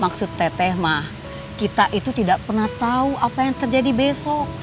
maksud teteh mah kita itu tidak pernah tahu apa yang terjadi besok